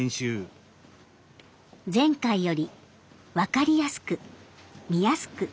前回より分かりやすく見やすく。